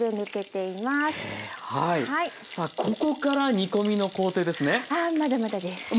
さあここから煮込みの工程ですね？